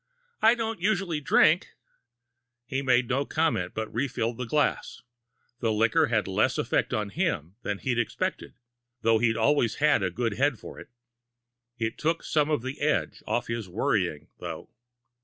"I don't usually drink." He made no comment, but refilled the glass. The liquor had less effect on him than he'd expected, though he'd always had a good head for it. It took some of the edge off his worrying, though.